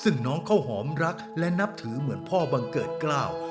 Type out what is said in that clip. ซึ่งน้องข้าวหอมรักและนับถือเหมือนพ่อบังเกิดเกล้า